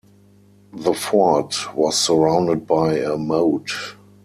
The fort was surrounded by a moat.